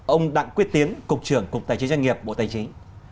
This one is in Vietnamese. ông đặng quyết tiến cục trưởng cục tài chính doanh nghiệp bộ tài chính